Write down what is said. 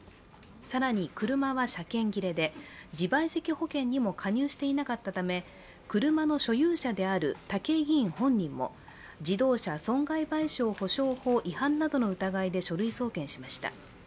更に、車は車検切れで自賠責保険にも加入していなかったため車の所有者である武井議員本人も自動車損害賠償保障法違反などの疑いで書類送検しました。